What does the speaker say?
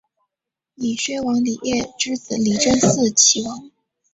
以薛王李业之子李珍嗣岐王。